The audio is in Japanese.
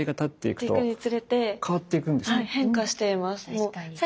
確かに。